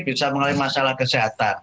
bisa mengalami masalah kesehatan